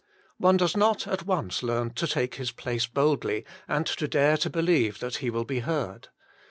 One does not at once learn to take his place boldly, and to dare to believe that he will be heard.